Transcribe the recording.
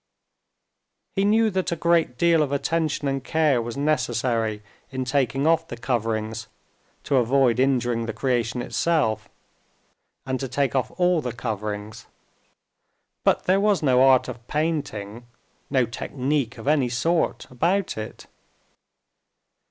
He knew that a great deal of attention and care was necessary in taking off the coverings, to avoid injuring the creation itself, and to take off all the coverings; but there was no art of painting—no technique of any sort—about it.